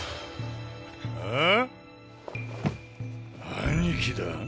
兄貴だぁ？